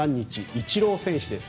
イチロー選手です。